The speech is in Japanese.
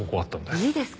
いいですか？